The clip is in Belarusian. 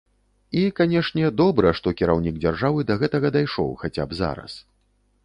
І, канешне, добра, што кіраўнік дзяржавы да гэтага дайшоў хаця б зараз.